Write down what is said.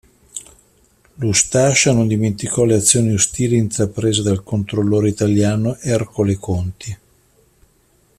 L'Ustascia non dimenticò le azioni ostili intraprese dal "controllore" italiano Ercole Conti.